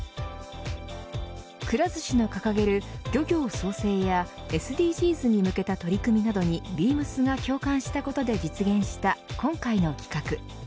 くら寿司の掲げる漁業創生やＳＤＧｓに向けた取り組みなどにビームスが共感したことで実現した今回の企画。